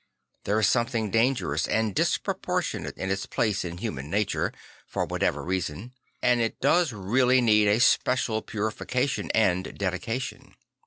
There is something dangerous and dispropor tionate in its place in human nature, for whatever reason; and it does really need a special puri fication and dedication.